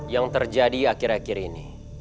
yang terjadi akhir akhir ini